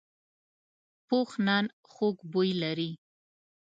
پوخ نان خوږ بوی لري